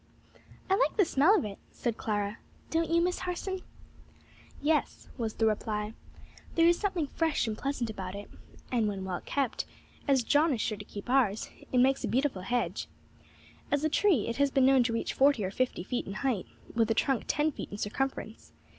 "I like the smell of it," said Clara. "Don't you, Miss Harson?" [Illustration: SIBERIAN ARBOR VITAE] "Yes," was the reply, "there is something very fresh and pleasant about it; and when well kept, as John is sure to keep ours, it makes a beautiful hedge. As a tree it has been known to reach forty or fifty feet in height, with a trunk ten feet in circumference.